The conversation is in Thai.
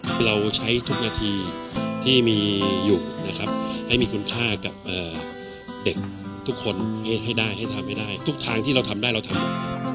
คือเราใช้ทุกนาทีที่มีอยู่นะครับให้มีคุณค่ากับเด็กทุกคนให้ได้ให้ทำให้ได้ทุกทางที่เราทำได้เราทำ